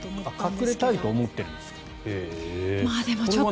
隠れたいと思ってるんですか、へえ。